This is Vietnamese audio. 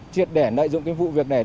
triệt đẻ nợi dụng vụ việc này